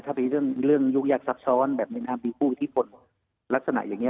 ถ้าเป็นเรื่องยุคยักษ์ซับซ้อนแบบมีผู้อิทธิพลลักษณะอย่างนี้